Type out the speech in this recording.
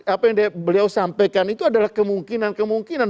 apa yang beliau sampaikan itu adalah kemungkinan kemungkinan